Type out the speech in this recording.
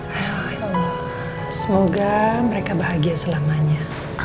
hai semoga mereka bahagia selamanya